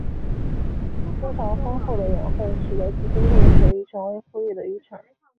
亲潮丰富的养分使得其经过的水域成为富裕的渔场。